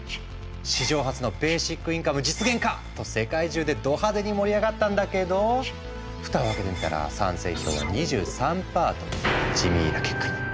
史上初のベーシックインカム実現か！と世界中でど派手に盛り上がったんだけどふたを開けてみたら賛成票は２３％という地味な結果に。